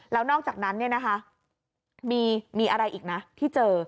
แล้วนอกจากนั้นมีอะไรอีกนะที่เจอ